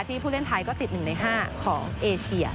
ผู้เล่นไทยก็ติด๑ใน๕ของเอเชีย